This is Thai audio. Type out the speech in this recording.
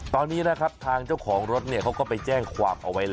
ตอนนี้นะครับทางเจ้าของรถเขาก็ไปแจ้งความเอาไว้แล้ว